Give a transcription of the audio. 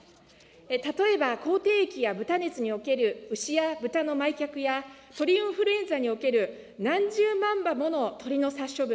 例えば口蹄疫や豚熱における、牛や豚の埋却や鳥インフルエンザにおける何十万羽もの鳥の殺処分。